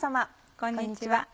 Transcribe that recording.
こんにちは。